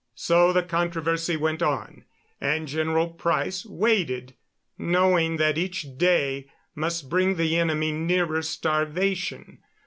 So the controversy went on, and General Price waited, knowing that each day must bring the enemy nearer starvation.